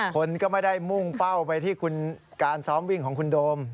คนก็ไม่ได้มุ่งเป้าไปที่การซ้อมวิ่งของคุณโดม